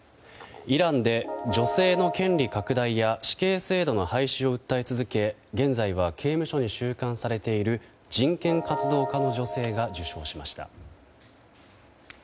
イランで女性の権利拡大や死刑制度の廃止を訴え続け現在は刑務所に収監されている人権活動家の女性が受賞しました。